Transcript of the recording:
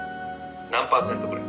何％くらい？」。